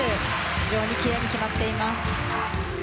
非常にきれいに決まっています。